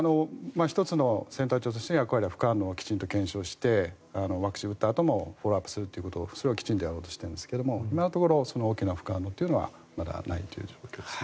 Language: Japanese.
１つのセンター長としての役割は副反応をきちんと検証してワクチンを打ったあともフォローアップすることそれをきちんとやろうとしているんですが今のところ大きな副反応はまだないという状況ですね。